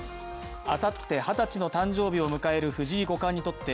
あさって二十歳の誕生日を迎える藤井五冠にとって